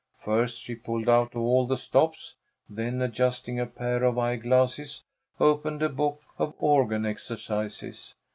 First she pulled out all the stops, then adjusting a pair of eyeglasses, opened a book of organ exercises.